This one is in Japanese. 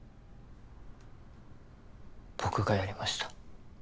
僕がやりました